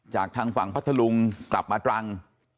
จากทางฝั่งพัทธลุงกลับมาตรัง